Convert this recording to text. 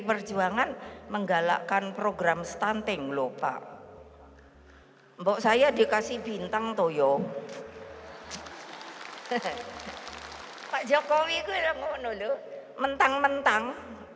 perjuangan menggalakkan program stunting lho pak mbok saya dikasih bintang toyo pak jokowi mentang mentang